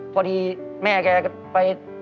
พอดีแม่แกไป